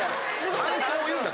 感想を言うんだ。